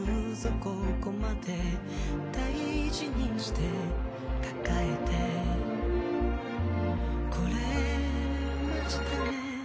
ここまで大事にして抱えて来れましたね